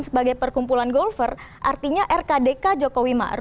yang lain yang lain